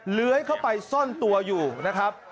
เลื้อยเข้าไปซ่อนตัวอยู่นะครับ